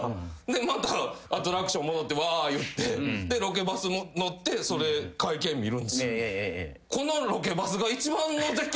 またアトラクション戻ってわー言ってロケバス乗ってそれ会見見る。